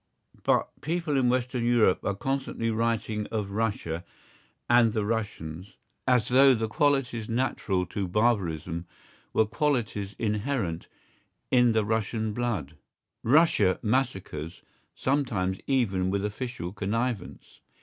But people in Western Europe are constantly writing of Russia and the Russians as though the qualities natural to barbarism were qualities inherent in the Russian blood. Russia massacres, sometimes even with official connivance.